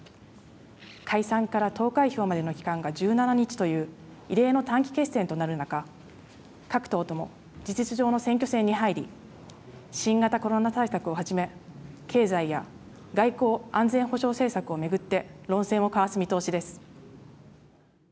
解散から投開票までの期間が１７日という異例の短期決戦となる中、各党とも事実上の選挙戦に入り新型コロナ対策をはじめ経済や外交・安全保障政策を巡って論戦を交わす見通しです。